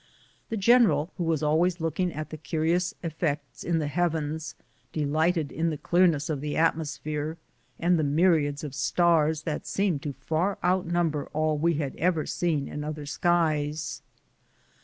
The general, who was always looking at the curious effects in the heavens, delighted in the clear ness of the atmosphere and the myriads of stars that seemed to far outnumber all we had ever seen in other skies.